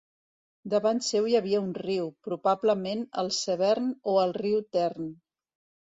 Davant seu hi havia un riu, probablement el Severn o el Riu Tern.